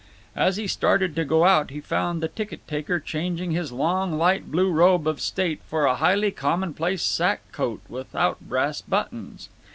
As he started to go out he found the ticket taker changing his long light blue robe of state for a highly commonplace sack coat without brass buttons.